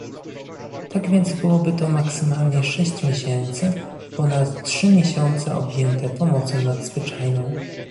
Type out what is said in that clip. Tak więc byłoby to maksymalnie sześć miesięcy ponad trzy miesiące objęte pomocą nadzwyczajną